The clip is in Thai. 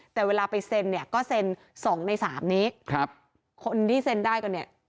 แต่เวลาไปเซ็นเนี่ยก็เซ็นสองในสามนี้ครับคนที่เซ็นได้กันเนี่ย